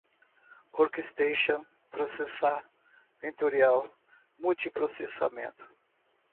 não-volátil, microcódigo, microprogramação, workstations, processar, vetorial, multiprocessamento